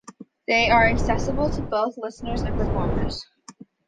They are accessible to both listeners and performers.